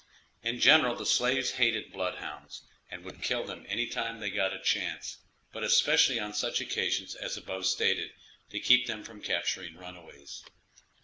In general the slaves hated bloodhounds, and would kill them any time they got a chance, but especially on such occasions as above stated, to keep them from capturing runaways.